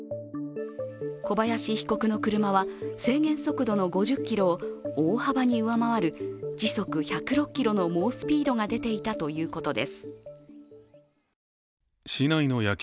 小林被告の車は制限速度の５０キロを大幅に上回る時速１０６キロの猛スピードが出ていたということです。